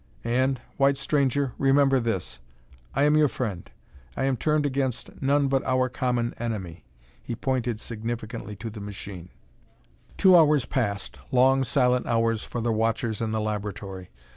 And, white stranger, remember this: I am your friend. I am turned against none but our common enemy." He pointed significantly to the machine. Two hours passed, long, silent hours for the watchers in the laboratory.